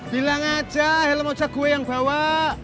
bilang aja helm oja gue yang bawa